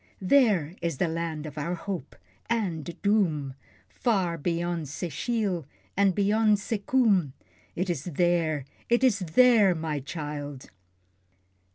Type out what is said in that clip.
There is the land of our Hope and Doom, Far beyond Secheel, and beyond Sekoom. It is there, it is THERE, my child!